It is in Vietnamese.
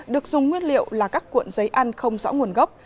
được dùng nguyên liệu là các cuộn giấy ăn không rõ nguồn gốc